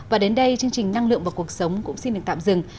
và đến đây chương trình năng lượng và cuộc sống cũng xin được tạm dừng